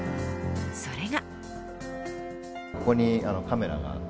それが。